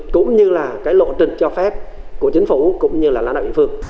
cũng như là cái lộ trình cho phép của chính phủ cũng như là lãnh đạo địa phương